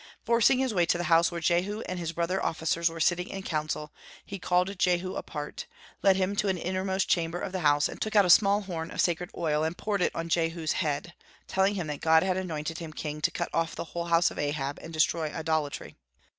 Forcing his way to the house where Jehu and his brother officers were sitting in council, he called Jehu apart, led him to an innermost chamber of the house, took out a small horn of sacred oil, and poured it on Jehu's head, telling him that God had anointed him king to cut off the whole house of Ahab, and destroy idolatry.